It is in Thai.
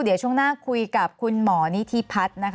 เดี๋ยวช่วงหน้าคุยกับคุณหมอนิธิพัฒน์นะคะ